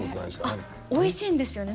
おいしいんです。